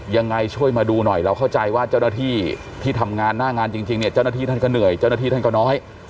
ยังไงช่วยมาดูหน่อยเราเข้าใจว่าเจ้าหน้าที่ที่ทำงานหน้างานจริงเนี่ยเจ้าหน้าที่ท่านก็เหนื่อยเจ้าหน้าที่ท่านก็น้อย